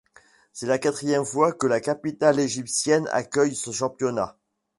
C'est la quatrième fois que la capitale égyptienne accueille ce championnat.